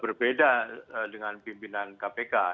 berbeda dengan pimpinan kpk